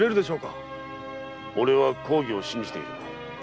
俺は公儀を信じている。